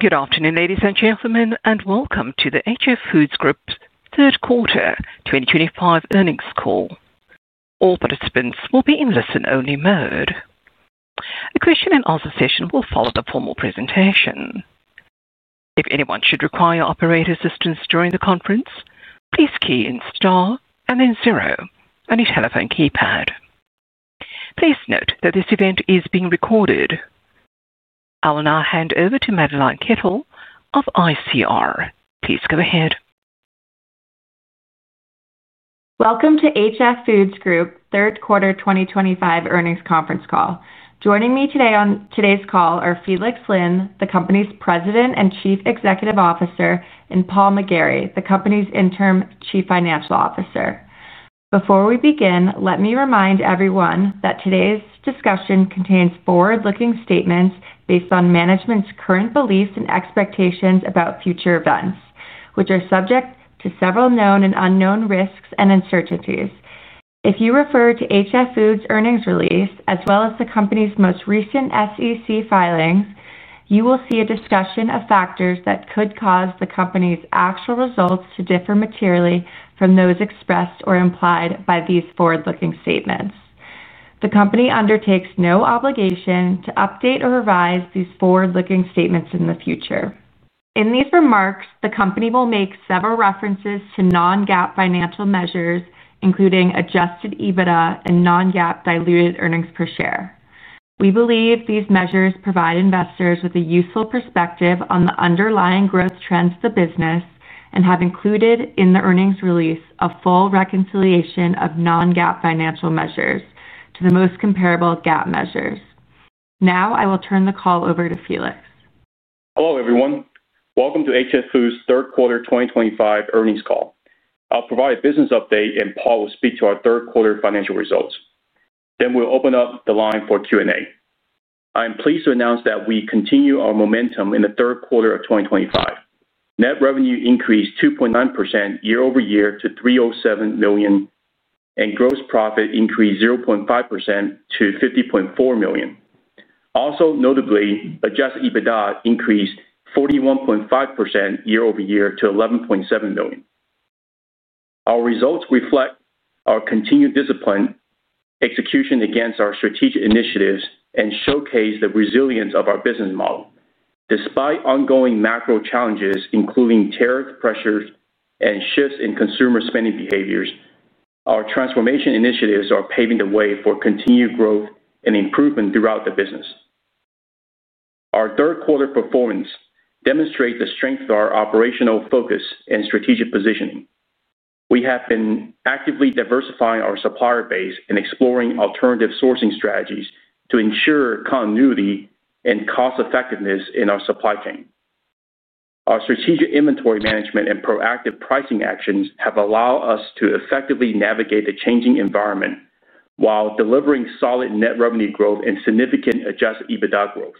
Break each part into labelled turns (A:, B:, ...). A: Good afternoon, ladies and gentlemen, and welcome to the HF Foods Group's Third Quarter 2025 earnings call. All participants will be in listen-only mode. The question-and-answer session will follow the formal presentation. If anyone should require operator assistance during the conference, please key in * and then 0 on your telephone keypad. Please note that this event is being recorded. I will now hand over to Madeleine Kettle of ICR. Please go ahead.
B: Welcome to HF Foods Group Third Quarter 2025 Earnings Conference Call. Joining me today on today's call are Felix Lin, the company's President and Chief Executive Officer, and Paul McGarry, the company's Interim Chief Financial Officer. Before we begin, let me remind everyone that today's discussion contains forward-looking statements based on management's current beliefs and expectations about future events, which are subject to several known and unknown risks and uncertainties. If you refer to HF Foods' earnings release, as well as the company's most recent SEC filings, you will see a discussion of factors that could cause the company's actual results to differ materially from those expressed or implied by these forward-looking statements. The company undertakes no obligation to update or revise these forward-looking statements in the future. In these remarks, the company will make several references to non-GAAP financial measures, including adjusted EBITDA and non-GAAP diluted earnings per share. We believe these measures provide investors with a useful perspective on the underlying growth trends of the business and have included in the earnings release a full reconciliation of non-GAAP financial measures to the most comparable GAAP measures. Now, I will turn the call over to Felix.
C: Hello, everyone. Welcome to HF Foods' Third Quarter 2025 earnings call. I'll provide a business update, and Paul will speak to our third quarter financial results. Then we'll open up the line for Q&A. I'm pleased to announce that we continue our momentum in the third quarter of 2025. Net revenue increased 2.9% year-over-year to $307 million, and gross profit increased 0.5% to $50.4 million. Also, notably, adjusted EBITDA increased 41.5% year-over-year to $11.7 million. Our results reflect our continued discipline, execution against our strategic initiatives, and showcase the resilience of our business model. Despite ongoing macro challenges, including tariff pressures and shifts in consumer spending behaviors, our transformation initiatives are paving the way for continued growth and improvement throughout the business. Our third quarter performance demonstrates the strength of our operational focus and strategic positioning. We have been actively diversifying our supplier base and exploring alternative sourcing strategies to ensure continuity and cost-effectiveness in our supply chain. Our strategic inventory management and proactive pricing actions have allowed us to effectively navigate the changing environment while delivering solid net revenue growth and significant adjusted EBITDA growth.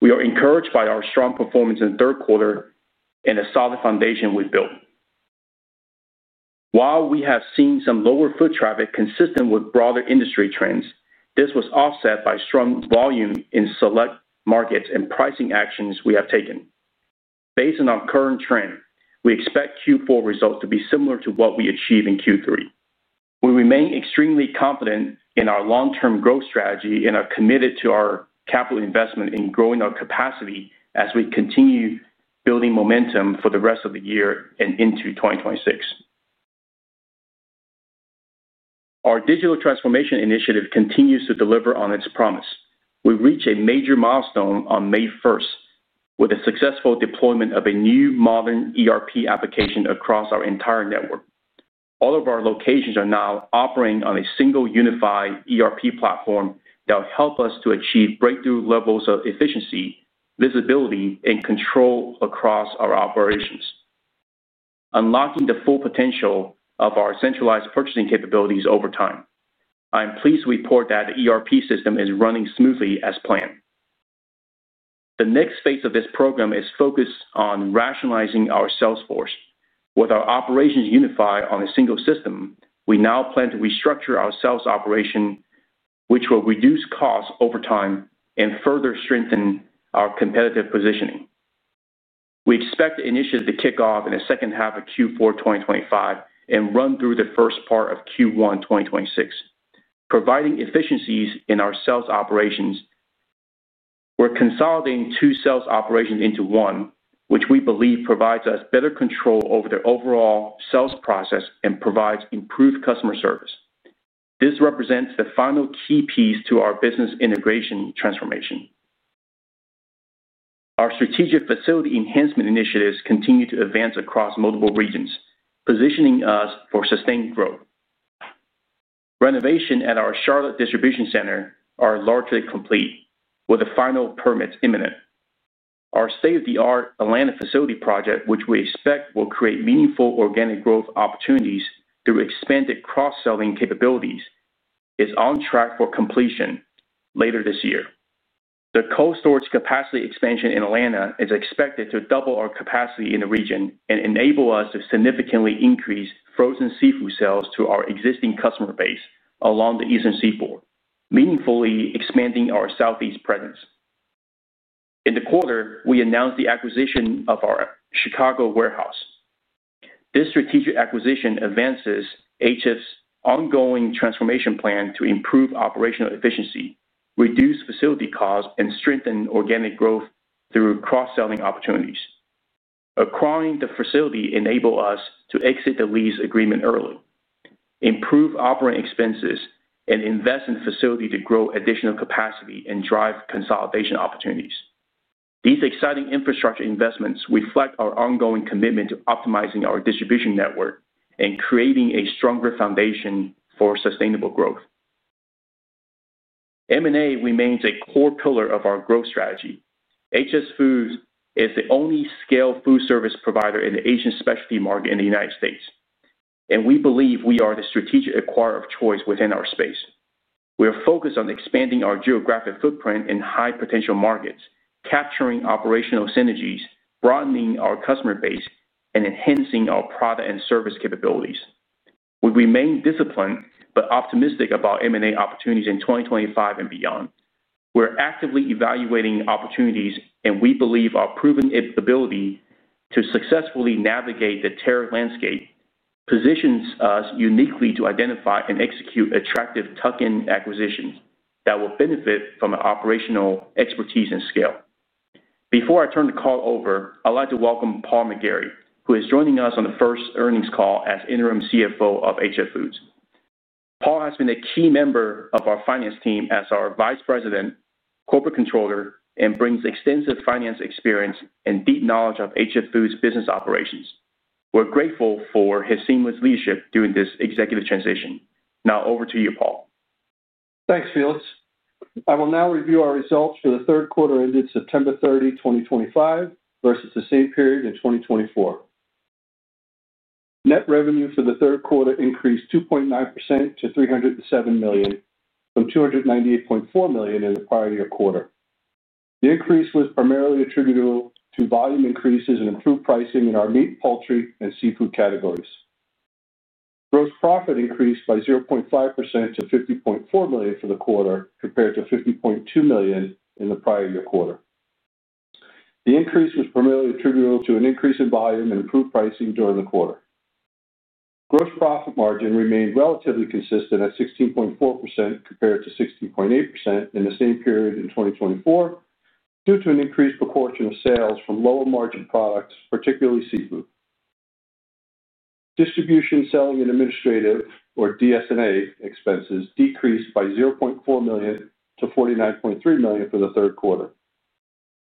C: We are encouraged by our strong performance in the third quarter and the solid foundation we've built. While we have seen some lower foot traffic consistent with broader industry trends, this was offset by strong volume in select markets and pricing actions we have taken. Based on our current trend, we expect Q4 results to be similar to what we achieved in Q3. We remain extremely confident in our long-term growth strategy and are committed to our capital investment in growing our capacity as we continue building momentum for the rest of the year and into 2026. Our digital transformation initiative continues to deliver on its promise. We reached a major milestone on May 1st with the successful deployment of a new modern ERP application across our entire network. All of our locations are now operating on a single unified ERP platform that will help us to achieve breakthrough levels of efficiency, visibility, and control across our operations, unlocking the full potential of our centralized purchasing capabilities over time. I am pleased to report that the ERP system is running smoothly as planned. The next phase of this program is focused on rationalizing our sales force. With our operations unified on a single system, we now plan to restructure our sales operation, which will reduce costs over time and further strengthen our competitive positioning. We expect the initiative to kick off in the second half of Q4 2025 and run through the first part of Q1 2026, providing efficiencies in our sales operations. We're consolidating two sales operations into one, which we believe provides us better control over the overall sales process and provides improved customer service. This represents the final key piece to our business integration transformation. Our strategic facility enhancement initiatives continue to advance across multiple regions, positioning us for sustained growth. Renovation at our Charlotte Distribution Center is largely complete, with the final permits imminent. Our state-of-the-art Atlanta facility project, which we expect will create meaningful organic growth opportunities through expanded cross-selling capabilities, is on track for completion later this year. The cold storage capacity expansion in Atlanta is expected to double our capacity in the region and enable us to significantly increase frozen seafood sales to our existing customer base along the Eastern Seaboard, meaningfully expanding our Southeast presence. In the quarter, we announced the acquisition of our Chicago warehouse. This strategic acquisition advances HF Foods Group's ongoing transformation plan to improve operational efficiency, reduce facility costs, and strengthen organic growth through cross-selling opportunities. Acquiring the facility enables us to exit the lease agreement early, improve operating expenses, and invest in the facility to grow additional capacity and drive consolidation opportunities. These exciting infrastructure investments reflect our ongoing commitment to optimizing our distribution network and creating a stronger foundation for sustainable growth. M&A remains a core pillar of our growth strategy. HF Foods is the only scale food service provider in the Asian specialty market in the United States, and we believe we are the strategic acquirer of choice within our space. We are focused on expanding our geographic footprint in high-potential markets, capturing operational synergies, broadening our customer base, and enhancing our product and service capabilities. We remain disciplined but optimistic about M&A opportunities in 2025 and beyond. We're actively evaluating opportunities, and we believe our proven ability to successfully navigate the tariff landscape positions us uniquely to identify and execute attractive tuck-in acquisitions that will benefit from our operational expertise and scale. Before I turn the call over, I'd like to welcome Paul McGarry, who is joining us on the first earnings call as Interim CFO of HF Foods. Paul has been a key member of our finance team as our Vice President, Corporate Controller, and brings extensive finance experience and deep knowledge of HF Foods' business operations. We're grateful for his seamless leadership during this executive transition. Now, over to you, Paul.
D: Thanks, Felix. I will now review our results for the third quarter ended September 30, 2025, versus the same period in 2024. Net revenue for the third quarter increased 2.9% to $307 million, from $298.4 million in the prior year quarter. The increase was primarily attributable to volume increases and improved pricing in our meat, poultry, and seafood categories. Gross profit increased by 0.5% to $50.4 million for the quarter, compared to $50.2 million in the prior year quarter. The increase was primarily attributable to an increase in volume and improved pricing during the quarter. Gross profit margin remained relatively consistent at 16.4%, compared to 16.8% in the same period in 2024, due to an increased proportion of sales from lower-margin products, particularly seafood. Distribution, selling, and administrative, or DS&A, expenses decreased by $0.4 million to $49.3 million for the third quarter.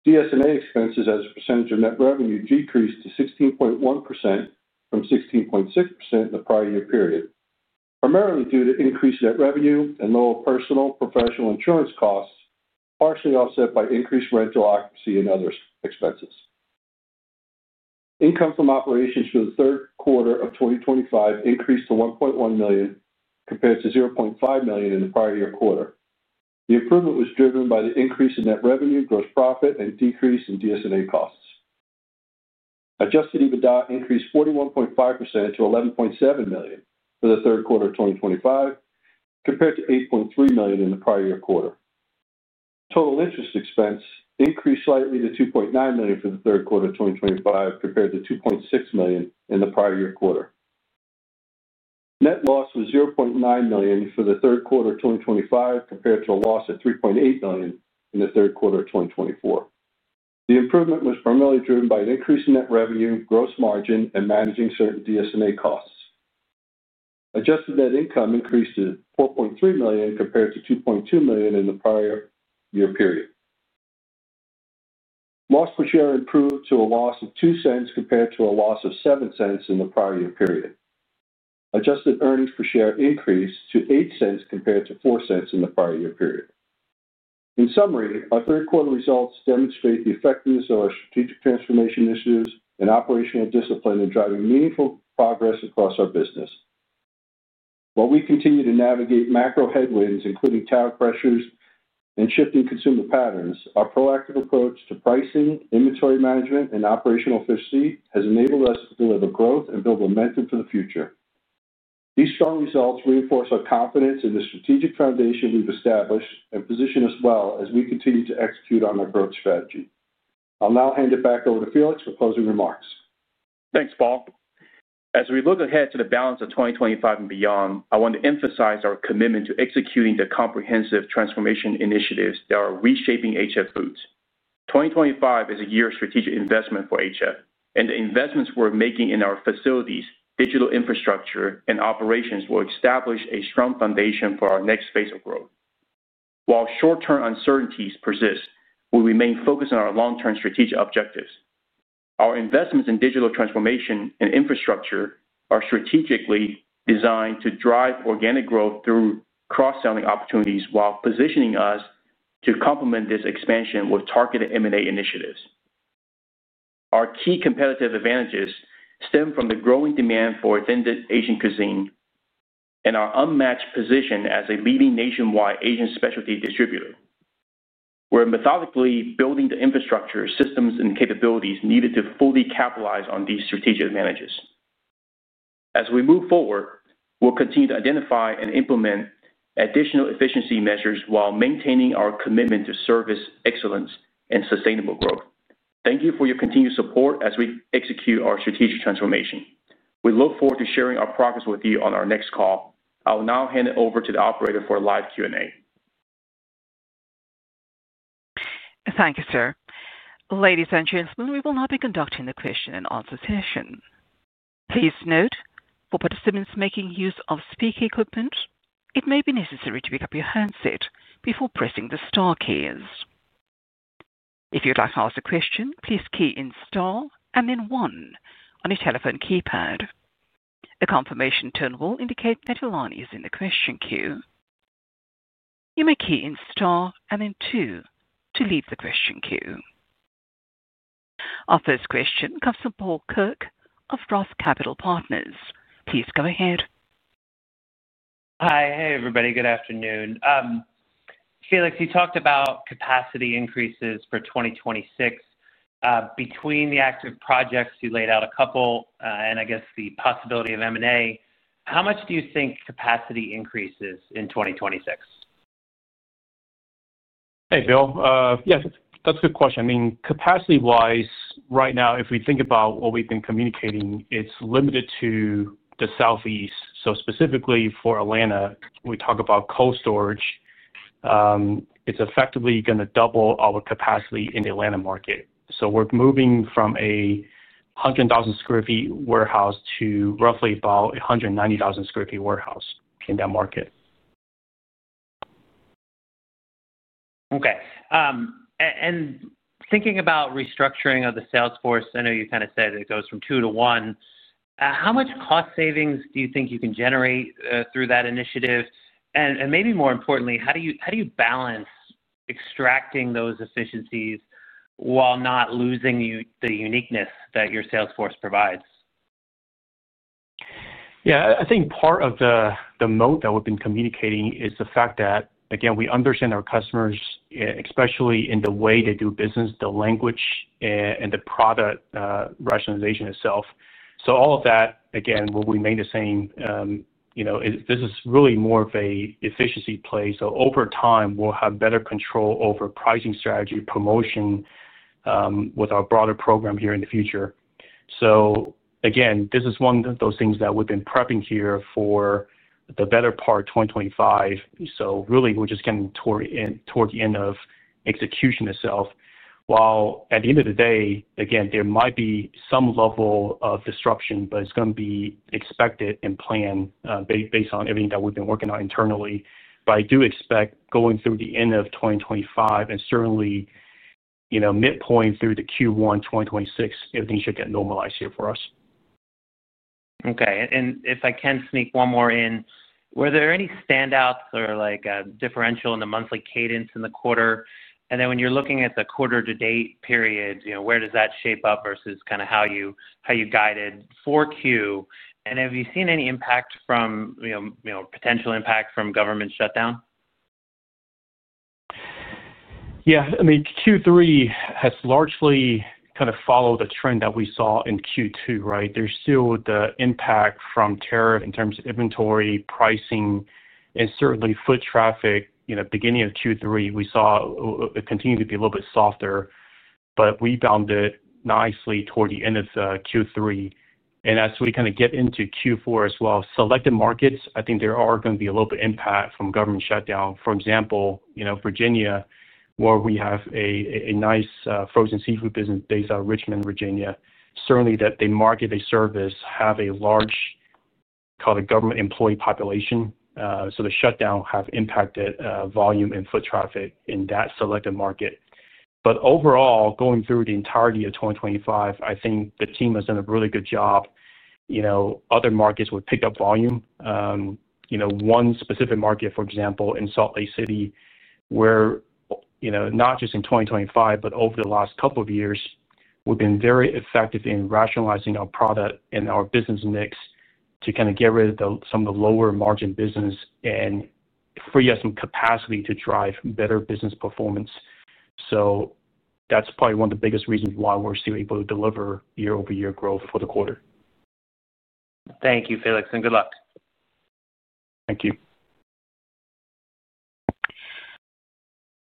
D: DS&A expenses, as a percentage of net revenue, decreased to 16.1% from 16.6% in the prior year period, primarily due to increased net revenue and lower personal and professional insurance costs, partially offset by increased rental occupancy and other expenses. Income from operations for the third quarter of 2025 increased to $1.1 million, compared to $0.5 million in the prior year quarter. The improvement was driven by the increase in net revenue, gross profit, and decrease in DS&A costs. Adjusted EBITDA increased 41.5% to $11.7 million for the third quarter of 2025, compared to $8.3 million in the prior year quarter. Total interest expense increased slightly to $2.9 million for the third quarter of 2025, compared to $2.6 million in the prior year quarter. Net loss was $0.9 million for the third quarter of 2025, compared to a loss of $3.8 million in the third quarter of 2024. The improvement was primarily driven by an increase in net revenue, gross margin, and managing certain DS&A costs. Adjusted net income increased to $4.3 million, compared to $2.2 million in the prior year period. Loss per share improved to a loss of $0.02, compared to a loss of $0.07 in the prior year period. Adjusted earnings per share increased to $0.08, compared to $0.04 in the prior year period. In summary, our third quarter results demonstrate the effectiveness of our strategic transformation initiatives and operational discipline in driving meaningful progress across our business. While we continue to navigate macro headwinds, including tariff pressures and shifting consumer patterns, our proactive approach to pricing, inventory management, and operational efficiency has enabled us to deliver growth and build momentum for the future. These strong results reinforce our confidence in the strategic foundation we've established and position us well as we continue to execute on our growth strategy. I'll now hand it back over to Felix for closing remarks.
C: Thanks, Paul. As we look ahead to the balance of 2025 and beyond, I want to emphasize our commitment to executing the comprehensive transformation initiatives that are reshaping HF Foods. 2025 is a year of strategic investment for HF, and the investments we're making in our facilities, digital infrastructure, and operations will establish a strong foundation for our next phase of growth. While short-term uncertainties persist, we remain focused on our long-term strategic objectives. Our investments in digital transformation and infrastructure are strategically designed to drive organic growth through cross-selling opportunities while positioning us to complement this expansion with targeted M&A initiatives. Our key competitive advantages stem from the growing demand for authentic Asian cuisine and our unmatched position as a leading nationwide Asian specialty distributor. We're methodically building the infrastructure, systems, and capabilities needed to fully capitalize on these strategic advantages. As we move forward, we'll continue to identify and implement additional efficiency measures while maintaining our commitment to service excellence and sustainable growth. Thank you for your continued support as we execute our strategic transformation. We look forward to sharing our progress with you on our next call. I will now hand it over to the operator for a live Q&A.
A: Thank you, sir. Ladies and gentlemen, we will now be conducting the question-and-answer session. Please note, for participants making use of speaker equipment, it may be necessary to pick up your handset before pressing the * keys. If you'd like to ask a question, please key in * and then 1 on your telephone keypad. The confirmation tone will indicate that your line is in the question queue. You may key in * and then 2 to leave the question queue. Our first question comes from Paul Kirk of ROTH Capital Partners. Please go ahead.
E: Hi. Hey, everybody. Good afternoon. Felix, you talked about capacity increases for 2026. Between the active projects you laid out, a couple, and I guess the possibility of M&A, how much do you think capacity increases in 2026?
F: Hey, Bill. Yes, that's a good question. I mean, capacity-wise, right now, if we think about what we've been communicating, it's limited to the Southeast. Specifically for Atlanta, we talk about cold storage. It's effectively going to double our capacity in the Atlanta market. We're moving from a 100,000 sq ft warehouse to roughly about a 190,000 sq ft warehouse in that market.
E: Okay. Thinking about restructuring of the Salesforce, I know you kind of said it goes from two to one. How much cost savings do you think you can generate through that initiative? Maybe more importantly, how do you balance extracting those efficiencies while not losing the uniqueness that your Salesforce provides?
F: Yeah. I think part of the moat that we've been communicating is the fact that, again, we understand our customers, especially in the way they do business, the language, and the product rationalization itself. All of that, again, will remain the same. This is really more of an efficiency play. Over time, we'll have better control over pricing strategy, promotion with our broader program here in the future. Again, this is one of those things that we've been prepping here for the better part of 2025. Really, we're just getting toward the end of execution itself. At the end of the day, again, there might be some level of disruption, but it's going to be expected and planned based on everything that we've been working on internally. I do expect going through the end of 2025 and certainly midpoint through Q1 2026, everything should get normalized here for us.
E: Okay. If I can sneak one more in, were there any standouts or differential in the monthly cadence in the quarter? When you're looking at the quarter-to-date period, where does that shape up versus kind of how you guided for Q? Have you seen any impact from potential impact from government shutdown?
F: Yeah. I mean, Q3 has largely kind of followed the trend that we saw in Q2, right? There's still the impact from tariff in terms of inventory, pricing, and certainly foot traffic. Beginning of Q3, we saw it continue to be a little bit softer, but we bound it nicely toward the end of Q3. As we kind of get into Q4 as well, selected markets, I think there are going to be a little bit of impact from government shutdown. For example, Virginia, where we have a nice frozen seafood business based out of Richmond, Virginia, certainly that market there serves a large government employee population. The shutdown has impacted volume and foot traffic in that selected market. Overall, going through the entirety of 2025, I think the team has done a really good job. Other markets would pick up volume. One specific market, for example, in Salt Lake City, where not just in 2025, but over the last couple of years, we've been very effective in rationalizing our product and our business mix to kind of get rid of some of the lower-margin business and free up some capacity to drive better business performance. That is probably one of the biggest reasons why we're still able to deliver year-over-year growth for the quarter.
E: Thank you, Felix, and good luck.
C: Thank you.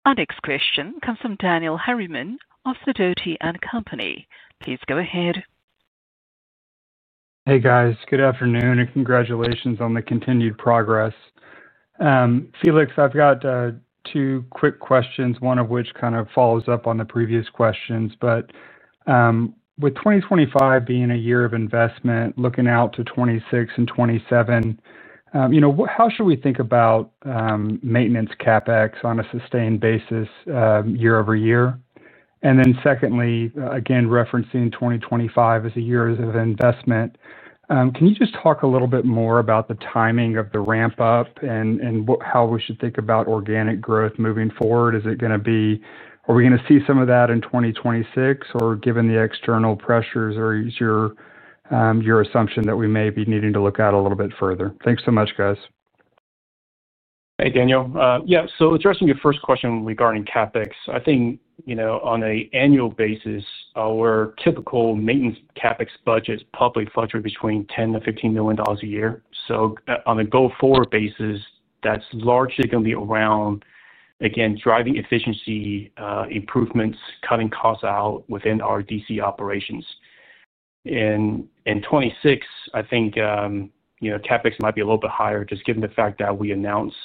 A: Our next question comes from Daniel Harriman of Sidoti & Company. Please go ahead.
G: Hey, guys. Good afternoon, and congratulations on the continued progress. Felix, I've got two quick questions, one of which kind of follows up on the previous questions. With 2025 being a year of investment, looking out to 2026 and 2027, how should we think about maintenance CapEx on a sustained basis year-over-year? Secondly, again, referencing 2025 as a year of investment, can you just talk a little bit more about the timing of the ramp-up and how we should think about organic growth moving forward? Is it going to be—are we going to see some of that in 2026? Or given the external pressures, or is your assumption that we may be needing to look at it a little bit further? Thanks so much, guys.
D: Hey, Daniel. Yeah. Addressing your first question regarding CapEx, I think on an annual basis, our typical maintenance CapEx budget probably fluctuates between $10-$15 million a year. On a go-forward basis, that is largely going to be around, again, driving efficiency improvements, cutting costs out within our D.C. operations. In 2026, I think CapEx might be a little bit higher, just given the fact that we announced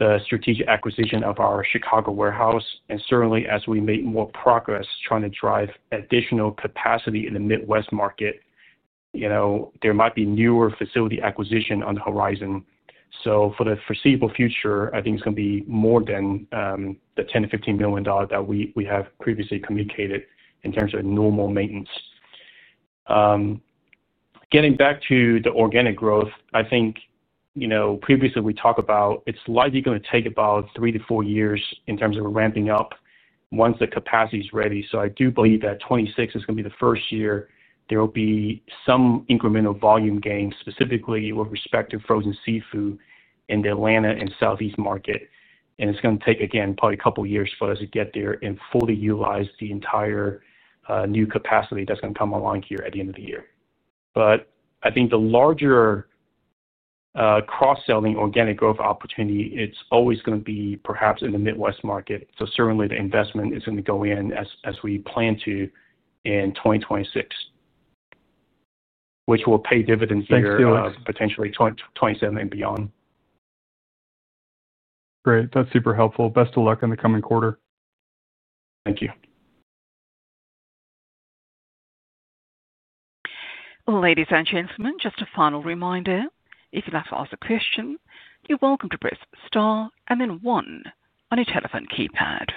D: the strategic acquisition of our Chicago warehouse. Certainly, as we make more progress trying to drive additional capacity in the Midwest market, there might be newer facility acquisitions on the horizon. For the foreseeable future, I think it is going to be more than the $10-$15 million that we have previously communicated in terms of normal maintenance. Getting back to the organic growth, I think previously we talked about it's likely going to take about three to four years in terms of ramping up once the capacity is ready. I do believe that 2026 is going to be the first year there will be some incremental volume gain, specifically with respect to frozen seafood in the Atlanta and Southeast market. It is going to take, again, probably a couple of years for us to get there and fully utilize the entire new capacity that's going to come online here at the end of the year. I think the larger cross-selling organic growth opportunity, it's always going to be perhaps in the Midwest market. Certainly, the investment is going to go in as we plan to in 2026, which will pay dividends here potentially 2027 and beyond.
G: Great. That's super helpful. Best of luck in the coming quarter.
D: Thank you.
A: Ladies and gentlemen, just a final reminder. If you'd like to ask a question, you're welcome to press * and then 1 on your telephone keypad.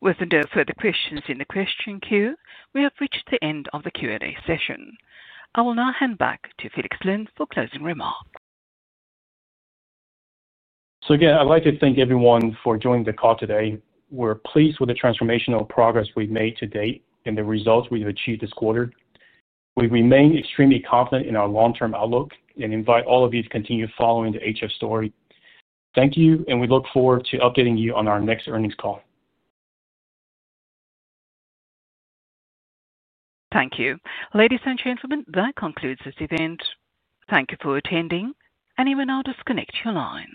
A: With the note for the questions in the question queue, we have reached the end of the Q&A session. I will now hand back to Felix Lin for closing remarks.
C: Again, I'd like to thank everyone for joining the call today. We're pleased with the transformational progress we've made to date and the results we've achieved this quarter. We remain extremely confident in our long-term outlook and invite all of you to continue following the HF story. Thank you, and we look forward to updating you on our next earnings call.
A: Thank you. Ladies and gentlemen, that concludes this event. Thank you for attending, and you may now disconnect your line.